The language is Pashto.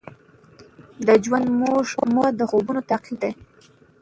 د ژوند موخه د خوبونو تعقیب دی.